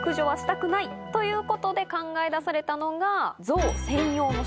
ということで考え出されたのが。